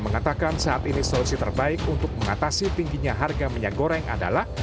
mengatakan saat ini solusi terbaik untuk mengatasi tingginya harga minyak goreng adalah